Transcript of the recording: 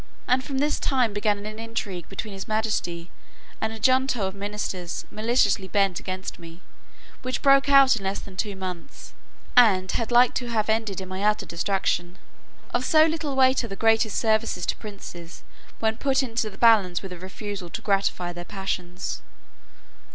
And from this time began an intrigue between his majesty and a junto of ministers, maliciously bent against me, which broke out in less than two months, and had like to have ended in my utter destruction. Of so little weight are the greatest services to princes, when put into the balance with a refusal to gratify their passions.